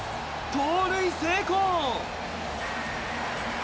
盗塁成功。